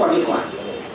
và nếu nó không còn